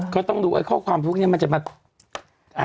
ก็ต้องดูไอ้ข้อความพวกนี้มันจะมา